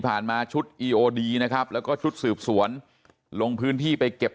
มาชุดอีโอดีนะครับแล้วก็ชุดสืบสวนลงพื้นที่ไปเก็บ